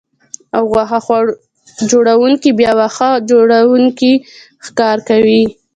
او غوښه خوړونکي بیا واښه خوړونکي ښکار کوي